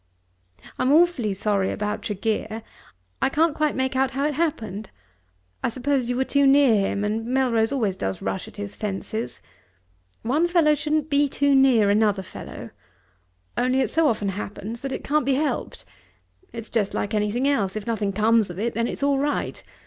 I am awfully sorry about Tregear. I can't quite make out how it happened. I suppose you were too near him, and Melrose always does rush at his fences. One fellow shouldn't be too near another fellow, only it so often happens that it can't be helped. It's just like anything else, if nothing comes of it then it's all right.